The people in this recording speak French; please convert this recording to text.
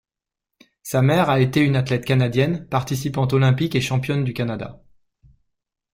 Sa mère a été une athlète canadienne, participante olympique et championne du Canada.